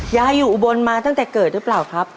ยายอยู่อุบลมาตั้งแต่เกิดหรือเปล่าครับ